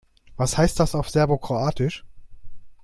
Was heißt das auf Serbokroatisch?